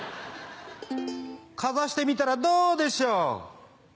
かざしてみたらどうでしょう？